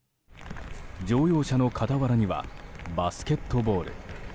乗用車の傍らにはバスケットボール。